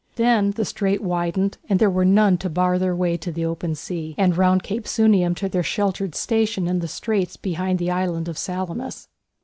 Then the strait widened, and there were none to bar their way to the open sea, and round Cape Sunium to their sheltered station in the straits behind the island of Salamis.